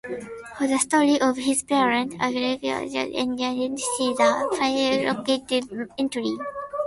For the story of his patent articulated engine see the Fairlie locomotive entry.